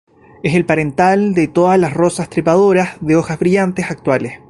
Es el parental de todas la rosas trepadoras de hojas brillantes actuales.